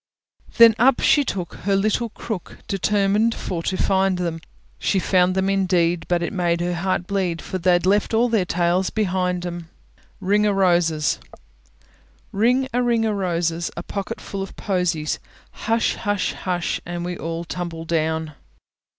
Then up she took her little crook, Determined for to find them; She found them indeed, but it made her heart bleed, For they'd left all their tails behind 'em. RING O' ROSES Ring a ring o' roses, A pocket full of posies; Hush! hush! hush! And we all tumble down.